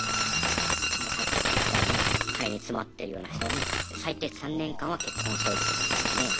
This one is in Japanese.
もうさっき言ったように金に詰まってるような人に最低３年間は結婚しといてくださいね。